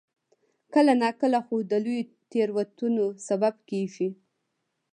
کله ناکله خو د لویو تېروتنو سبب کېږي.